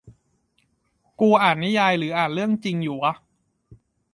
กูอ่านนิยายหรืออ่านเรื่องจริงอยู่วะ